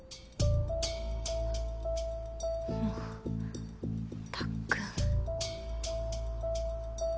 もうたっくん。